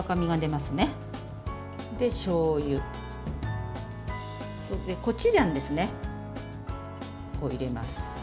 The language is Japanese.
そして、コチュジャンを入れます。